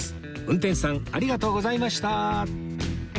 運転士さんありがとうございました